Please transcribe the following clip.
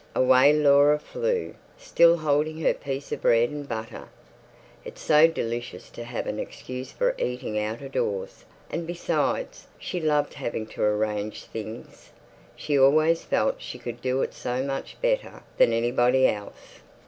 Away Laura flew, still holding her piece of bread and butter. It's so delicious to have an excuse for eating out of doors, and besides, she loved having to arrange things; she always felt she could do it so much better than anybody else.